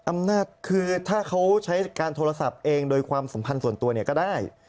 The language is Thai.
อำนาจคือถ้าเขาใช้การโทรศัพท์เองโดยความสัมพันธ์ส่วนตัวเนี่ยก็ได้